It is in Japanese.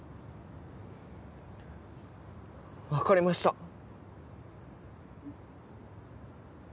わかりました。